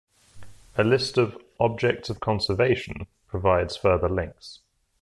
A list of 'objects of conservation' provides further links.